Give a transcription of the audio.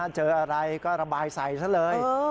เจออะไรก็ระบายใส่ซะเลย